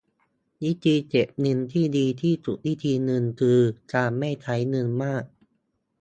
วิธีเก็บเงินที่ดีที่สุดวิธีนึงคือการไม่ใช่เงินมาก